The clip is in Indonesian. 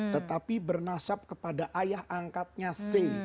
tetapi bernasab kepada ayah angkatnya c